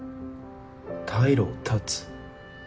退路を断つ？